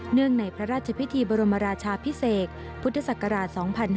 ในพระราชพิธีบรมราชาพิเศษพุทธศักราช๒๕๕๙